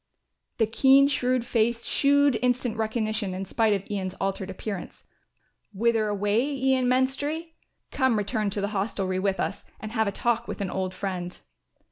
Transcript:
The keen shrewd face shewed instant recognition in spite of Ian's altered appearance. "Whither away, Ian Menstrie? Come return to the hostelry with us and have a talk with an old friend."